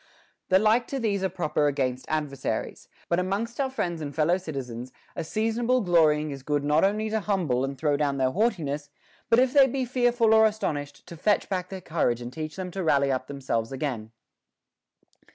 The like to these are proper against adversaries ; but amongst our friends and fellow citizens a seasonable glory ing is good not only to humble and throw down their haughtiness, but if they be fearful or astonished, to fetch back their courage and teach them to rally up themselves again.